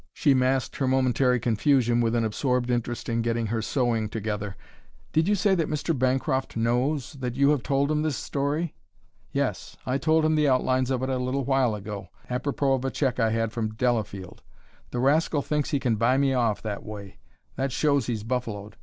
She masked her momentary confusion with an absorbed interest in getting her sewing together. "Did you say that Mr. Bancroft knows that you have told him this story?" "Yes; I told him the outlines of it a little while ago, apropos of a check I had from Delafield. The rascal thinks he can buy me off that way. That shows he's buffaloed.